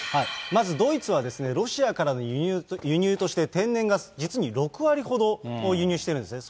まずドイツは、ロシアからの輸入として、天然ガス、実に６割ほどを輸入してるんですね。